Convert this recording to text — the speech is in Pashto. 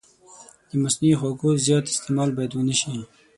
د مصنوعي خوږو زیات استعمال باید ونه شي.